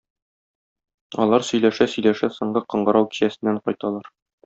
Алар сөйләшә-сөйләшә соңгы кыңгырау кичәсеннән кайталар.